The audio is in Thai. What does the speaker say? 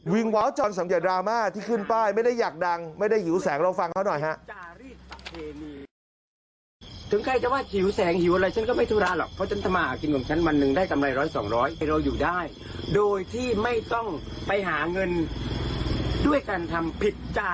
ว้าวจรสังเกตดราม่าที่ขึ้นป้ายไม่ได้อยากดังไม่ได้หิวแสงลองฟังเขาหน่อยฮะ